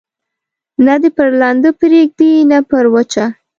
نه دي پر لنده پرېږدي، نه پر وچه.